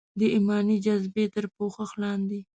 د ایماني جذبې تر پوښښ لاندې.